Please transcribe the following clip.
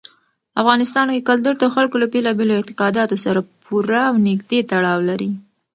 افغانستان کې کلتور د خلکو له بېلابېلو اعتقاداتو سره پوره او نږدې تړاو لري.